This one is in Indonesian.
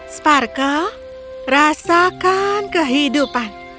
sparkle rasakan kehidupan